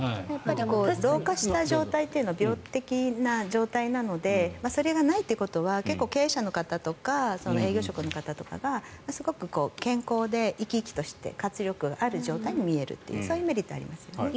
老化した状態というのは病的な状態なのでそれがないということは経営者の方とか営業職の方とかがすごく健康で生き生きとして活力ある状態に見えるというそういうメリットはありますね。